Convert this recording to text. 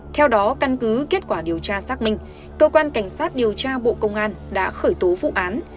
theo đó căn cứ kết quả điều tra xác minh cơ quan cảnh sát điều tra bộ công an đã khởi tố vụ án